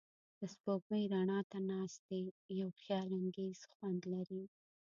د سپوږمۍ رڼا ته ناستې یو خیالانګیز خوند لري.